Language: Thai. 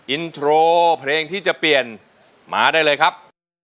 อินโทรเพลงที่จะเปลี่ยนมาได้เลยครับ